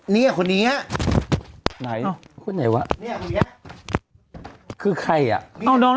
เนี่ยคนเนี้ยไหนอ๋อคนไหนวะเนี่ยคนเนี้ยคือใครอ่ะอ้าวน้องน้อง